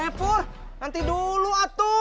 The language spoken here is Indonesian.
eh pur nanti dulu atu